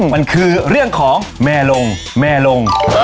มันคือเรื่องของแม่ลงแม่ลง